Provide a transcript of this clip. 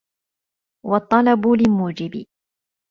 وَالطَّلَبُ لِمُوجِبٍ